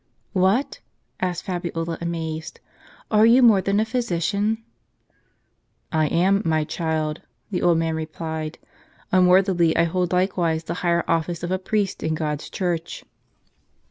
" What !" asked Fabiola, amazed, " are you more than a physician ?" "I am, my child," the old man replied; "unworthily I hold likewise the higher office of a priest in God's Church."